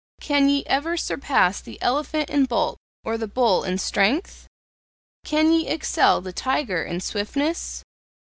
Can ye ever surpass the elephant in bulk or the bull in strength? Can ye excel the tiger in swiftness?